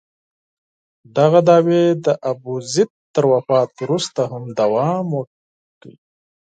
دغه دعوې د ابوزید تر وفات وروسته هم دوام وکړ.